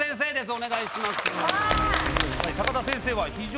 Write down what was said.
お願いします。